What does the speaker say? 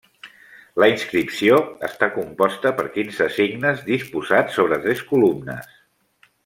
La inscripció està composta per quinze signes, disposats sobre tres columnes.